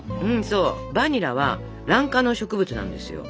そうバニラはラン科の植物なんですよ。